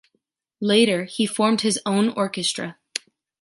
Later, he formed his own orchestra.